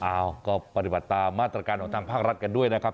อ้าวก็ปฏิบัติตามมาตรการของทางภาครัฐกันด้วยนะครับ